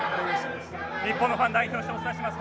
日本のファン代表としてお伝えします。